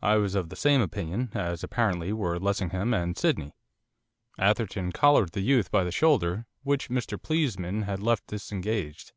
I was of the same opinion, as, apparently, were Lessingham and Sydney. Atherton collared the youth by the shoulder which Mr Pleesman had left disengaged.